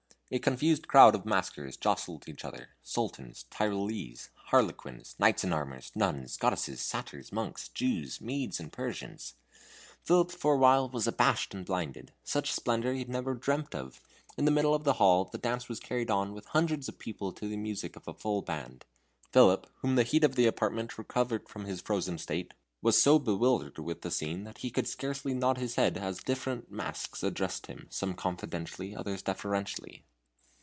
A confused crowd of maskers jostled each other, sultans, Tyrolese, harlequins, knights in armor, nuns, goddesses, satyrs, monks, Jews, Medes, and Persians. Philip for a while was abashed and blinded. Such splendor he had never dreamt of. In the middle of the hall the dance was carried on with hundreds of people to the music of a full band. Philip, whom the heat of the apartment recovered from his frozen state, was so bewildered with the scene that he could scarcely nod his head as different masks addressed him, some confidentially, others deferentially.